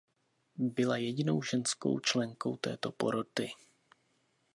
Byla jedinou ženskou členkou této poroty.